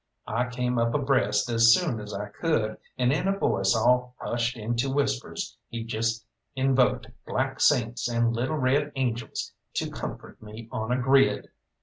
I came up abreast as soon as I could, and in a voice all hushed into whispers, he just invoked black saints and little red angels to comfort me on a grid.